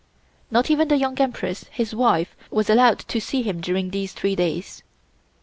Not even the Young Empress, his wife, was allowed to see him during these three days.